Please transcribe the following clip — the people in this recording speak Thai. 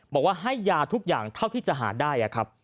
บอกว่าให้ยาทุกอย่างเท่าที่จะหาได้ครับ